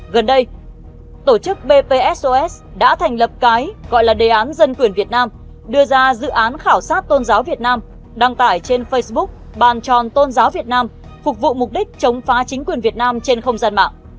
gần đây tổ chức bpsos đã thành lập cái gọi là đề án dân quyền việt nam đưa ra dự án khảo sát tôn giáo việt nam đăng tải trên facebook bàn tròn tôn giáo việt nam phục vụ mục đích chống phá chính quyền việt nam trên không gian mạng